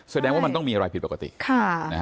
แสดงว่ามันต้องมีอะไรผิดปกติ